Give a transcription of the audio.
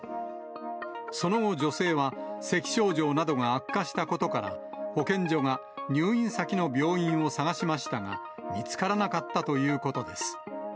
その後、女性はせき症状などが悪化したことから、保健所が入院先の病院を探しましたが、見つからなかったということです。